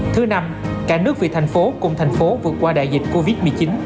thứ năm cả nước vì thành phố cùng thành phố vượt qua đại dịch covid một mươi chín